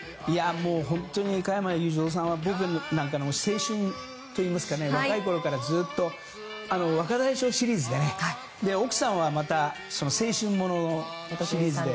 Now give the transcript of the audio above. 本当に、加山雄三さんは僕なんかの青春といいますかね若いころから「若大将」シリーズで奥さんは青春物のシリーズで。